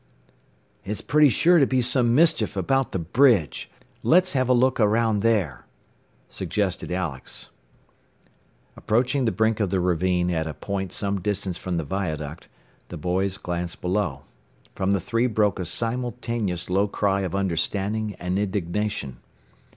"It's pretty sure to be some mischief about the bridge. Let's have a look around there," suggested Alex. Approaching the brink of the ravine at a point some distance from the viaduct, the boys glanced below. From the three broke a simultaneous low cry of understanding and indignation.